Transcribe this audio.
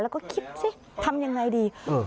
แล้วก็คิดซิทำอย่างไรดี